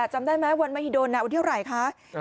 จำได้ไหมวันมหิดลวันเท่าไหร่คะ